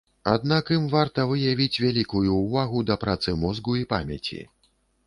Аднак ім варта выявіць вялікую ўвагу да працы мозгу і памяці.